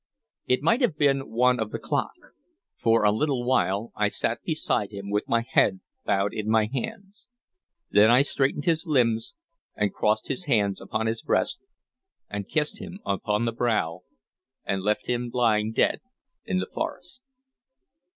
It might have been one of the clock. For a little while I sat beside him, with my head bowed in my hands. Then I straightened his limbs and crossed his hands upon his breast, and kissed him upon the brow, and left him lying dead in the forest.